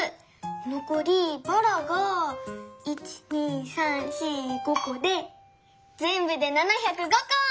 のこりばらが１２３４５こでぜんぶで７０５こ！